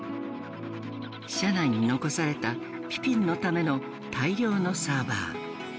社内に残されたピピンのための大量のサーバー。